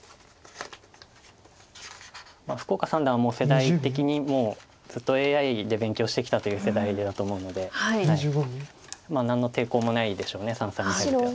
福岡三段は世代的にもうずっとＡＩで勉強してきたという世代だと思うので何の抵抗もないでしょう三々に対しては。